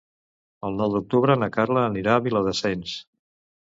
El nou d'octubre na Carla anirà a Viladasens.